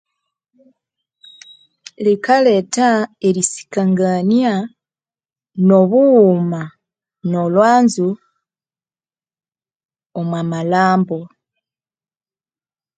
Likaletha erisikangania nobughuma no lhwanzu omwa malhambo.